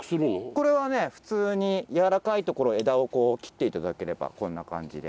これはね普通にやわらかいところを枝を切って頂ければこんな感じで。